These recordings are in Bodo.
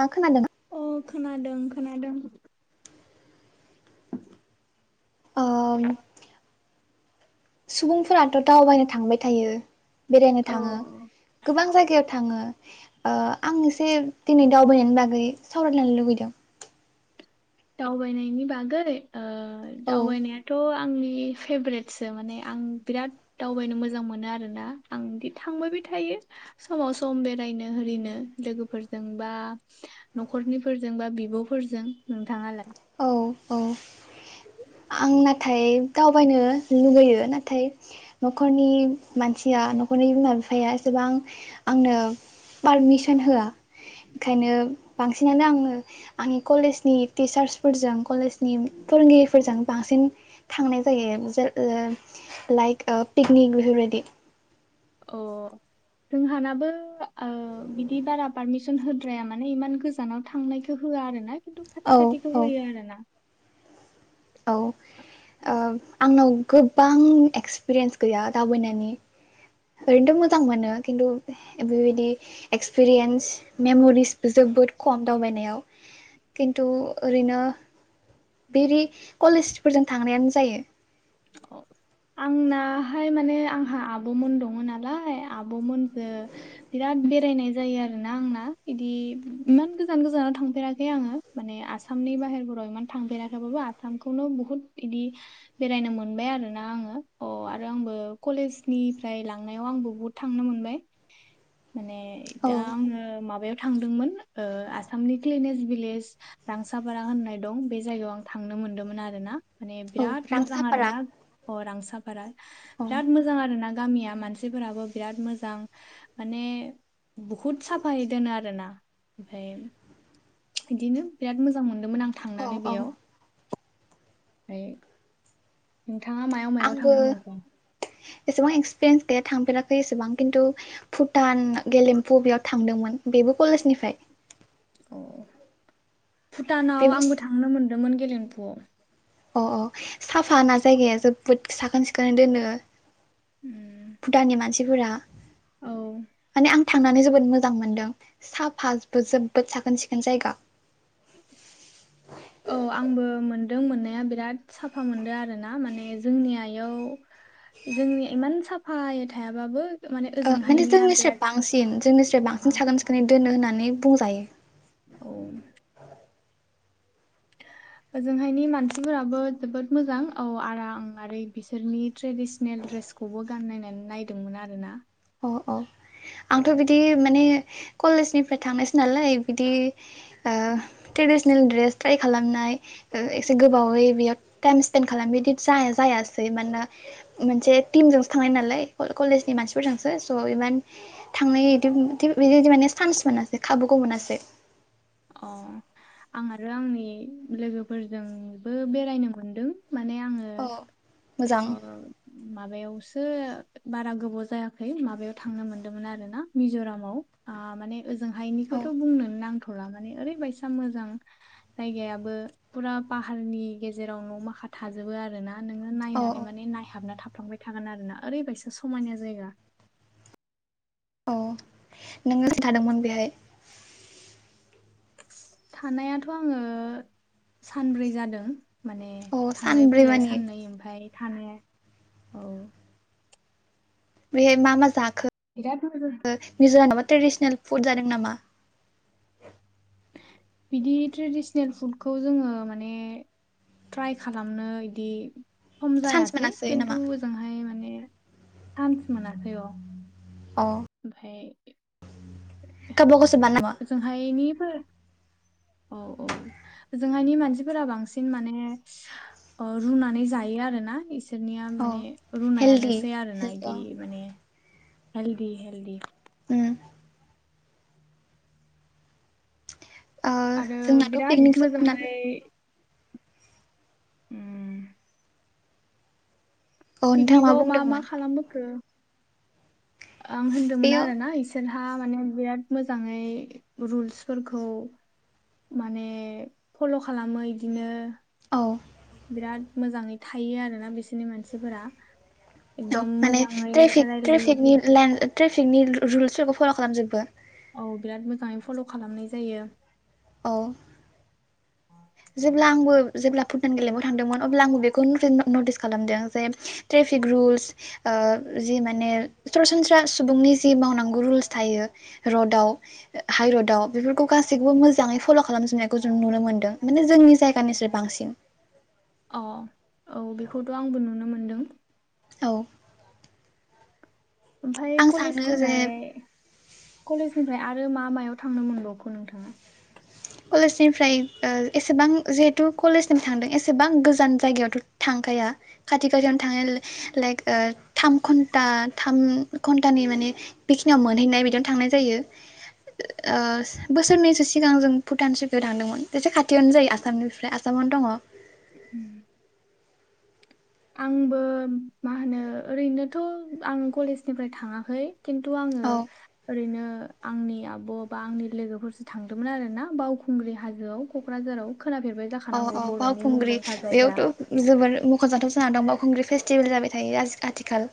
नोंथाङा खोनादों अ खोनादों। खोनादों। ओम सुबुंफोराथ' दावबायनो थांबाय थायो। बेरायनो थांङो औ गोबां जायगायाव थांङो ओ आं एसे दिनै दावबायनायनि बागै सावरायलायनो लुबैदों। दाउबायनायनि बागै ओ औ दावबायनायाथ' आंनि फेभरेटसो माने आं बिराद दावबायनो मोजां मोनो आरोना आं बिदि थांबायबाय थायो समाव सम बेरायनो हारिनो लोगोफोरजों बा न'खरनिफोरजों बा बिब'फोरजों नोंथांङालाय? औ औ आंनाद थाय दावबायनो लुबैयो नाथाय न'खरनि मानसिया न'खरनि बिमा बिफाया एसेबां आंनो पारमिसन होआ। ओंखायनो बांस सिनानो आङो आंनि कलेजनि टिचार्स फोरजों कलेजनि फोरोंगिरिफोरजों बांसिन थांनाय जायो जेर लाइक ओ पिकनिक बेफोरबायदि। अ जोंहानाबो ओ बिदि बारा पारमिसन होद्राया माने इमान गोजानाव थांनायखौ होआ आरोना थु औ खाथि खाथिखौ औ होयो आरोना औ ओ आंनाव गोबां एक्सपिरियेन्स गैया दावबायनायनि ओरैनोथ' मोजां मोनो खिन्थु बेबायदि एक्सपिरियेन्स मेम'रिसबो जोबोद खम दावबायनायाव खिन्थु ओरैनो बेदि कलेजफोरजों थांनायानो जायो। अआंनाहाय माने आंहा आब'मोन दङो नालाय आब'मोनजो बिराद बेरायनाय जायो आरोना आंना इदि इमान गोजान गोजानाव थांफेराखै आङो माने आसामनि बाहेरफोराव इमान थांफेराखैबाबो आसामखौनो बुहुत इदि बेरायनो मोनबाय आरो ना आङो अ आरो आंबो कलेजनिफ्राय लांनायाव आंबो बहुद थांनो मोनबाय। माने औ दा आङो माबायाव थांदोंमोन ओ आसामनि क्लिनेट भिलेज रांसाफारा होननाय दं बे जायगायाव आं थांनो मोन्दोंमोन आरोना माने औ बिराद मोजां आरो रांसाफारा ना अ रांसाफारा औ बिराद मोजां आरोना गामिया मानसिफोराबो बिराद मोजां माने बुहुद साफायै दोनो आरोना ओमफाय बिदिनो बिराद मोजां मोन मोन आं औ थांनानै बेयाव फाय उम नोंथाङा मायाव मायाव आंबो थांनो मोनखो? एसेबां एक्सपिरियेन्स गैया थांफेराखै एसेबां खिन्थु भुटान गेलेम्फु बेयाव थांदोंमोन बेबो कलेजनिफ्राय। अ भुटानाव बेबो आंबो थांनो मोन्दोंमोन क गेलेमफुआव अ अ साफा ना जायगाया जोबोद साखोन सिखोनै दोनो। उम, भुटाननि मानसि सिफोरा औ माने आं थांनानै जोबोद मोजां मोनदों साफा जोबोद साखोन सिखोन जायगा ‌। औ आंबो मोनदों मोननाया बिराद साफा मोनदो आरो। ना माने जोंनिया याव जोंनि इमान साफायै थायाबाबो माने ओ माने ओजोंहायनिया जोंनिस्राय बिराद बांसिन जोंनिस्राय बांसिन साखोन सिखोनै दोनो होनना नानै बुंजायो। औ ओजोंहायनि मानसिफोराबो जोबोद मोजां औ आराम आरै बिसोरनि ट्रेडिसेनेल ड्रेसखौबो गाननायनानै नायदोंमोन आरो ना। अ अ आंथ' बिदि माने कलेजनिफ्राय थांनायसो नालाय बिदि ओ ट्रेडिसनेल ड्रेस ट्राइ खालामनाय ओ एसे गोबावै बेयाव टाइम स्पेन्ड खालामनाय बिदि जाया जायासै मानोना मोनसे टिमजोंसो थांनाय नालाय कलेजनि मानसि फोरजोंसो स' इमान थांनाय इदि बिदि-बिदि माने चान्स मोनासै खाबुखौ मोनासै। अ आं आरो आंनि लोगोफोरजोंबो बेरायनो मोनदों। माने आङो औ मोजां अ माबायावसो बारा गोबाव जायाखै माबायाव थांनो मोन्दोंमोन आरो ना मिज'रामाव ओ माने औ ओजोंहायनिखौथ' बुंनोनो नांख [unintelligible] ओरैबायसा मोजां जायगायाबो फुरा पाहारनि गेजेराव न' माखा थाजोबो आरो ना। नोङो औ नायनानै माने नायहाबना थाब थांबाय थागोन आरोना ओरैबायसा समायना जायगा। अ नोङो खिन्थादोंमोन बेहाय थानायाथ' आङो माने औ थांलाय सानब्रै फैलाय मानि साननै ओमफाय थानाया औ। बैहाय मा-मा जाख बिराद [unintelligible] ट्रेडिसनेल फुड जादों नामा? बिदि ट्रेडिसनेल खम चान्स जायासै मोनासै खिन्थु नामा ओजोंहाय माने [inaudible] अ ओमफाय गावबा गावसो बानायदों नामा ओजोंहायनिबो औ औ ओजोंहायनि मानसिफोरा बांसिन माने रुनानै जायो आरो ना एसे बिसोरनिया अ माने हेलदि रुनायानोसै आरो ना हेलदि अ इदि माने हेलदि हेल्दि उम ओ आरो जोंनाथ' बिराद पिकनिकसोमोन ना मोजाङै उम औ नोंथाङा पिकनिकआव मा मा बुंदोंमोन खालामबोखो। आं होन्दोंमोन बेयो आरो ना इसोरना था माने बिराद मोजाङै रुल्सफोरखौ माने फल' खालामो इदिनो औ बिराद मोजाङै थायो आरोना बिसोरनि मानसिफोरा औ एकदम माने मोजाङै ट्रापिक रायलायो ट्रापिक नि ला ट्रपिक रुल्सफोरखौ फल' खालामजोबो औ बिराद मोजाङै फल' खालामनाय जायो। औ। जेब्ला आंबो जेब्ला फुटबान गेलेबाव थांदोंमोन अब्ला आंबो बेखौ नटिस खालामदों जे ट्रेफिक रुल्स जि माने सरासनस्रा सुबुंनि जि मावनांगौ रुल्स थायो रडाव हाइरडाव बेफोरखौ गासैखौबो मोजाङै फल' खालामजोबनायखौ जों नुनो मोन्दों। माने जोंनि जायगानिसो बांसिन अ। औ बेखौथ' आंबो नुनो मोनदों। [inaudible] औ। ओमफाय आं सानो कलेजखौ जे हाय। कलेजनिफ्राय आरो मा मा। याव थांनो मोनबावखो नोंथाङा। कलेजनिफ्राय एसेबां जिहेतु कलेज सिम थांदों एसेबां गोजान जायगायावथ' थांखाया खाथि खाथियावनो थांनाय लाइक थाम घन्टा थाम घन्टानि माने बेखिनियाव मोनहैनाय बिदियावनो थांनाय जायो। बोसोरनैसो सिगां जों भुटान स थांदोंमोन एसे खाथियावनो जायो आसामनिफ्राय आसामावनो दङ उम [inaudible] आंबो मा होनो ओरैनोथ' आं कलेजनिफ्राय थाङाखै खिन्थु आङो औ ओरैनो आंनि आब' बा आंनि लोगोफोरसो थांदोंमोन आरो ना बावखुंग्रि हाजोआव क'क्राझाराव खोनाफेरबाय अ जाखानांगौ अ बर'नि बावखुंग्रि मुंदांखा जायगा बेयावथ' जोबोर मख'जाथाव जाना दं। खुंग्रि फेस्टिभेल जाबाय थायो आथिखाल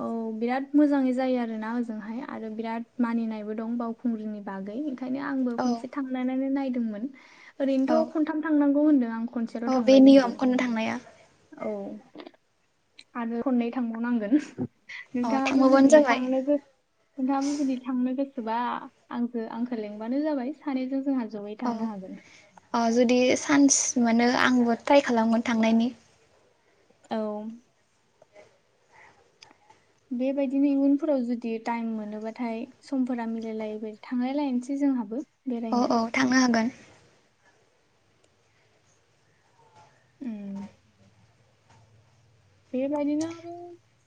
औ बिराद मोजाङै जायो आरोना ओजोंहाय आरो बिराद मानिनायबो दं बावखुंग्रिनि बागै। ओंखायनो आंबो औ खनसे थांनानै नायदोंमोन। [inaudible] ओरैनोथ' खनथाम थांनांगौ होनदों आं खनसेल' अ बे थांबाय खिन्थु नियम खननो थांनाया औ आरो खननै थांबावनांगोन। अ नोंथाङाबो थांबावबानो जुदि जाबाय थांनो गोस नोंथाङाबो जुदि थांनो गोस बा आंजो आंखौ लेंबानो जाबाय सानैजों जोंहा जयै अ थांनो हागोन अ जुदि चान्स मोनो आंबो ट्राइ खालामगोन थांनायनि। औ बेबायदिनो इयुनफोराव जुदि टाइम मोनोबाथाय समफोरा मिलायलायबा थांलायलायनोसै जोंहाबो। औ बेरायनो औ थांनो हागोन। उम बेबायदिनो आरो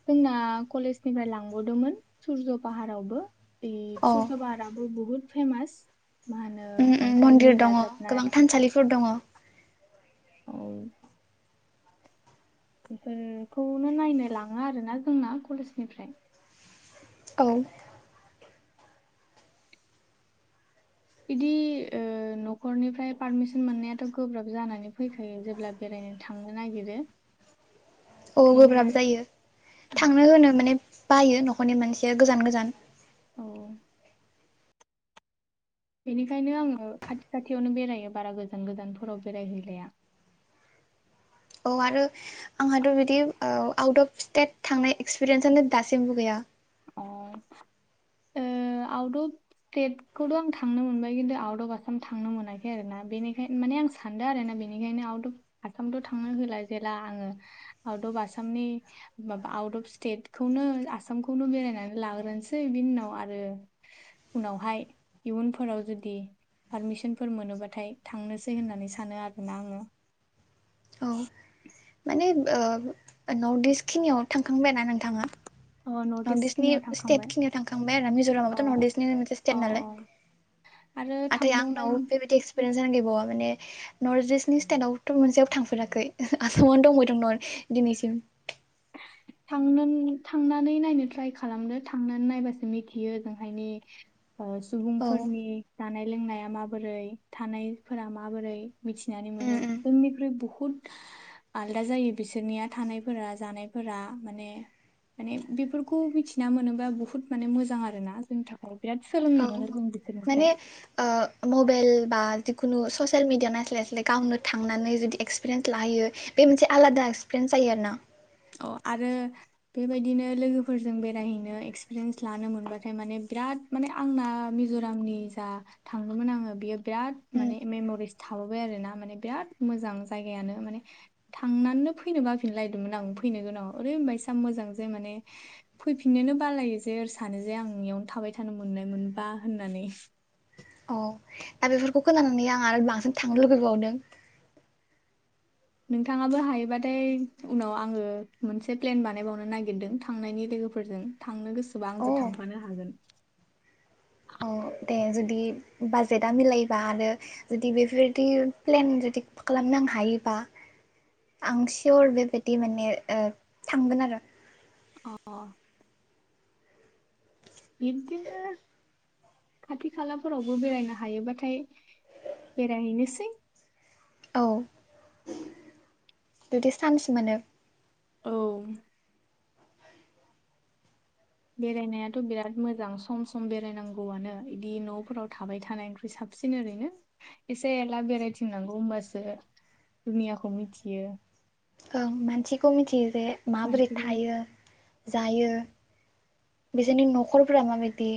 जोंना कलेजनिफ्राय लांबोदोंमोन सुर्ज पाहारावबो। ए औ सर्ज पाहाराबो बहुद फेमास मा होनो उम उम अन्थाइनि मन्दिर दङ दाजाबनाय गोबां थानसालिफोर दङ। [unintelligible] बेखौनो नायनो लाङो आरोना जोंना कलेजनिफ्राय। औ बिदि ओ न'खरनिफ्राय पारमिसन मोननायाथ' गोब्राब जानानै फैखायो जेब्ला बेरायनो थांनो नागिरो। औ ओंखायनो गोब्राब जायो थांनो होनो माने बायो न'खरनि मानसिया गोजान गोजान औ बेनिखायनो आङो खाथि खाथियावनो बेरायो बारा गोजान गोजानफोराव बेरायहैलाया। औ आरो आंहाथ' बिदि औ आउट अफ स्टेट थांनाय एक्सपिरियेन्सनानो दासिमबो गैया। अ ओ आउट अफ टेटखौथ' आं थांनो मोनबाय खिन्थु आउट अफ आसाम थांनो मोनाखै आरोना बेनिखायनो माने आं सानदों आरो ना बेनिखायनो आउट अफ आसामथ' थांनो होला जेला आङो आउट अफ आसामनि माबा आउट अफ स्टेटखौनो आसामख खौनो बेरायनानै लाग्रोनोसै बिनि उनाव आरो उनावहाय इयुनफोराव जुदि पारमिसनफोर मोनोबाथाय थांनोसै होननानै सानो आरोना आङो। औ माने ओ न'र्थ इस खिनियाव थांखांबायना नोंथाङा? अ नर्थ इस्टनि इस्टखिनियाव स्टेट थांखांबाय खिनियाव थांखांबाय आरो अ अ मिज'रामाबोथ' नर्थ इस्टनि स्टेट नालाय अ आरो नाथाय आंनाव थांबावनाय बेबायदि एक्सपिरियेन्स जान गैबावा माने नर्थ इस्टनि स्टेटआवथ' मोनसेयाव थांफेराखै आसामनो दंबावदं न दिनैसिम। थांनोन थांनानै नायनो ट्राय खालामदो थांनानै नायबासो मिथियो ओजोंहायनि ओ औ सुबुंफोरनि जानाय लोंनाय या माबोरै थानाय फोरा माबोरै? मिथिनानै उम मोनो उम [unintelligible] बुहुद आलदा जायो बिसोरनिया थानायफोरा जानायफोरा माने माने बेफोरखौ मिथिना मोनोबा बुहुद माने मोजां आरोना जोंनि थाखाय बिराद सोलोंनो औ मोनो जों बिसोरनिफ्राय माने ओ मबेइल बा जेखुनु ससियेल मिदिया नायजस्लाय स्लाय गावनो थांनानै जुदि एक्सपिरियेन्स लाहैयो बे मोनसे आलादा एक्सपिरियेन्स जायो आरो ना? अ आरो बेबायदिनो लोगोफोरजों बेरायहैनो एक्सपिरियेन्स लानो मोनबाथाय माने बिराद माने आंना मिज'रामनि जा थांदोंमोन आङो बियो बिराद उम माने मेमरिस थाबोबाय आरोना माने बिराद मोजां जायगायानो माने थांनानो फैनो बाफिनलायदोंमोन आं फैनो गोनाङाव ओरै बायसा मोजांजे माने फैफिन्नोनो बालायो जे ओ सानो जे आं इयावनो थाबाय थानो मोननाय मोनबा होननानै। आरो बेफोरखौ खोनानानै आं आरो बांसिन थांनो लुुगैबावदों। नोंथाङाबो हायोबाथाय उनाव आङो मोनसे प्लेन बानायबावनो नागिरदों थांनायनि लोगोफोरजों, थांनो गोसोबा अ आंजों थांफानो हागोन। औ दे जुदि बाजेटआ मिलायोबा आरो जुदि बेफोरबायदि प्लेन जुदि खालामनां हायोबा आं सियर बेबायदि माने ओ थांगोन आरो। अह अह। बिदिनो खाथि खालाफोरावबो बेरायनो हायोबाथाय बेरायहैनोसै। औ जुदि चान्स मोनो। औ। बेरायनायाथ' बिराद मोजां सम सम बेरायनांगौआनो। बिदि न'फोराव थाबाय थानायख्रुइ साबसिन ओरैनो एसे एला बेरायथिंनांगौ होनबासो दुनियाखौ मिथियो। ओं मानसिखौ मिथियो जे माबोरै मानसिखौ थायो, जायो, बिजोंनि न'खरफोरा माबायदि,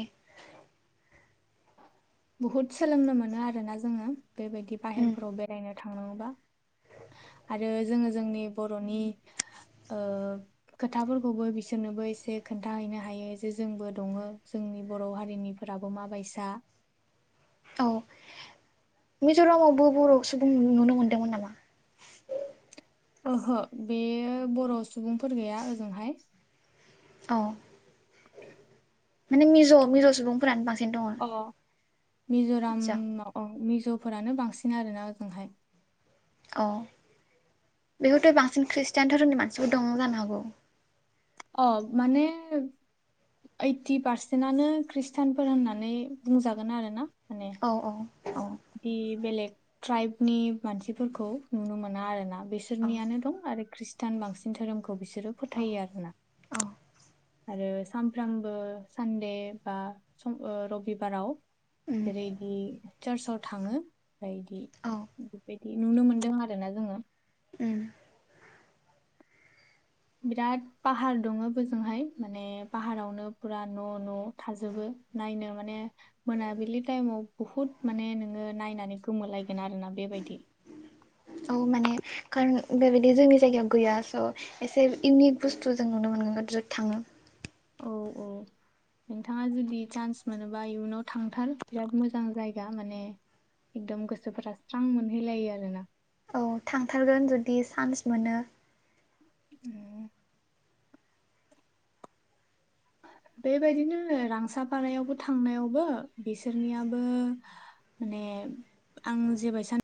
बहुद सोलोंनो मोनो आरोना जोङो। बेबायदि उम बाहेरफोराव बेरायनो थांनांगौबा आरो जोङो जोंनि बर'नि ओ खोथाफोरखौबो बिसोरनोबो एसे खोनथाहैनो हायो जे जोंबो दङ जोंनि बर' हारिनिफोराबो मा बायसा [unintelligible] औ मिज'रामावबो बर' सुबुं नु नुनो मोनदोंमोन नामा? ओहो बे बर' सुबुंफोर गैया ओजोंहाय। औ। माने मिज' मिज' सुबुंफोरानो बांसिन दङ अ आदसा मिज'रामाव औ मिज'फोरानो बां सिन आरोना ओजोंहाय। अ बेखैथ' बांसिन ख्रिषटान धोरोमनि मानसिफोर दं जानो हागौ? अ माने ओइग्टि पारसेन्टनो ख्रिस्टानफोर होननानै बुंजागोन आरो ना औ औ। औ बिदि बेलेग ट्राइबनि मानसिफोरखौ नुनो मोना आरो ना औ बिसोरनियानो दं आरो खृस तान बांसिन धोरोमखौ बिसोरो औ फोथायो आरोना औ आरो सानफ्रामबो सानडेय बा ओ रबिबाराव उम जेरै इदि चार्चआव थाङो। औ बायदि नुनो मोनदों आरो ना जोङो। उम। बिराद पाहार दङ बोजोंहाय माने पाहारावनो फुरा न' न' थाजोबो नायनो माने मोनाबिलि टाइमाव बहुत माने नोङो नायनानै गोमोलायगोन आरो औ माने खो बेबायदि जोंनि जायगायाव गैया स' एसे इउनिक बुस्थु जों नुनो मोनगोन जे थां औ औ नोंथाङा जुदि चान्स मोनोबा इयुनाव थांथार बिराद मोजां जायगा माने एकदम गोसोफोरा स्रां मोनहैलायो आरोना। औ थांथारगोन जुदि चान्स मोनो। उम। बेबायदिनो रांसारफारायावबो थांनायावबो बिसोरनियाबो माने आं जेबो सा